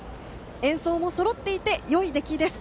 演奏もそろっていてよい出来です。